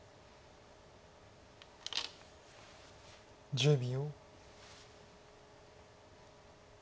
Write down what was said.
１０秒。